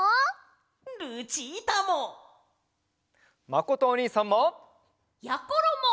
まことおにいさんも！やころも！